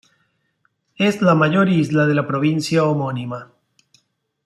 Es la mayor isla de la provincia homónima.